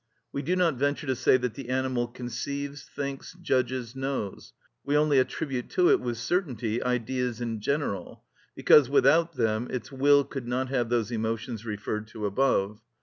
We do not venture to say that the animal conceives, thinks, judges, knows: we only attribute to it with certainty ideas in general; because without them its will could not have those emotions referred to above.